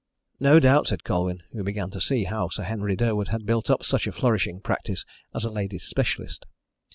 "No doubt," said Colwyn, who began to see how Sir Henry Durwood had built up such a flourishing practice as a ladies' specialist.